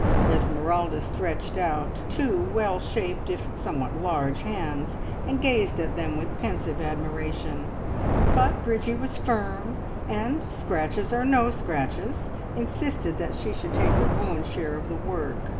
Esmeralda stretched out two well shaped, if somewhat large, hands, and gazed at them with pensive admiration; but Bridgie was firm, and, scratches or no scratches, insisted that she should take her own share of the work.